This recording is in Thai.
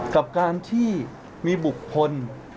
กับการที่มีบุคคล